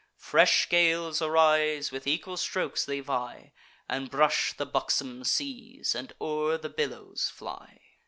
Fresh gales arise; with equal strokes they vie, And brush the buxom seas, and o'er the billows fly.